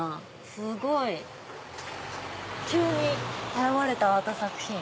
すごい！急に現れたアート作品。